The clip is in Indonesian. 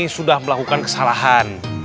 sudah melakukan kesalahan